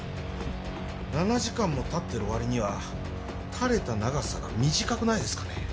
７時間も経ってる割には垂れた長さが短くないですかね？